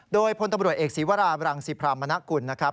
โดยพลตำรวจเอกศีวราบรังสิพรามณกุลนะครับ